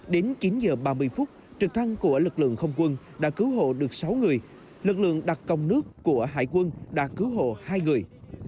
đến chín h ba mươi phút trực thăng của lực lượng không quân đã cứu hộ được sáu người lực lượng đặt công nước của hải quân đã cứu hộ hai người